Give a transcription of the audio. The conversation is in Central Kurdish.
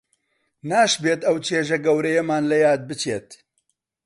ناشبێت ئەو چێژە گەورەیەمان لە یاد بچێت